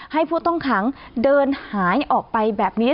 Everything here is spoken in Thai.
ผู้ต้องขังเดินหายออกไปแบบนี้